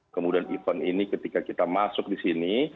kemudian event ini ketika kita masuk di sini